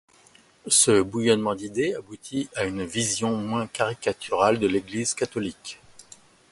Ce bouillonnement d’idées aboutit à une vision moins caricaturale de l’Église catholique.